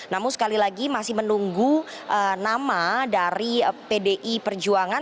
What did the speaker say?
namun sekali lagi masih menunggu nama dari pdi perjuangan